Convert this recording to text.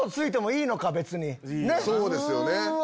そうですよね。